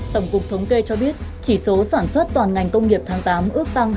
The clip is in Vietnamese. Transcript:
tổng cục thống kê cho biết chỉ số sản xuất toàn ngành công nghiệp tháng tám ước tăng hai chín so với tháng trước